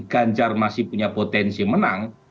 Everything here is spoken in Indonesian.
ganjar masih punya potensi menang